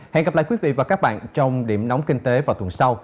hẹn gặp lại quý vị và các bạn trong điểm nóng kinh tế vào tuần sau